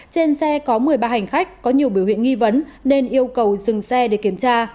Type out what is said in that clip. trên xe có một mươi ba hành khách có nhiều biểu hiện nghi vấn nên yêu cầu dừng xe để kiểm tra